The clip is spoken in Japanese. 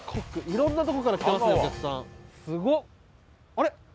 あれ？